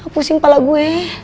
pusing kepala gue